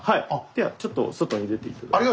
ではちょっと外に出て頂いて。